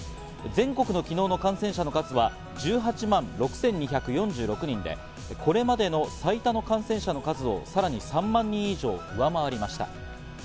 全国の昨日の感染者の数は１８万６２４６人で、それまでの最多の感染者の数をさらに３万人以上、上回りました。